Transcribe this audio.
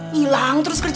kau trus yang lagi